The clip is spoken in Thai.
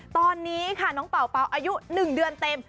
ตอนนี้น้องเป่าเป่าอายุหนึ่งเดือนเต็ม